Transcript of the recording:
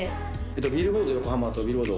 ビルボード横浜とビルボード